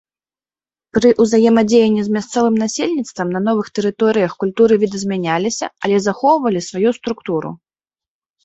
Пры ўзаемадзеянні з мясцовым насельніцтвам на новых тэрыторыях культуры відазмяняліся, але захоўвалі сваю структуру.